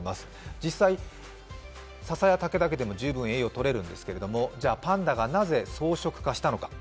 実際、ささや竹だけでも十分栄養はとれるんですけれども、パンダがなぜ、草食化したのか。